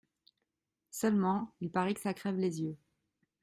Seulement, il paraît que ça crève les yeux.